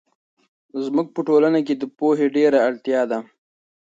زموږ په ټولنه کې د پوهې ډېر اړتیا ده.